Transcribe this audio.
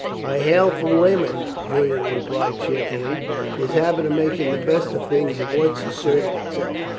"I hail from Weymouth," Julian replied cheerfully, his habit of making the best of things at once asserting itself.